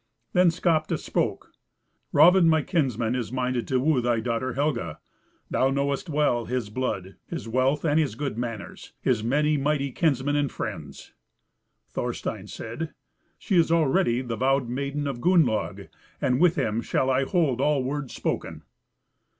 Then Skapti spoke: "Raven, my kinsman, is minded to woo thy daughter Helga. Thou knowest well his blood, his wealth, and his good manners, his many mighty kinsmen and friends." Thorstein said, "She is already the vowed maiden of Gunnlaug, and with him shall I hold all words spoken."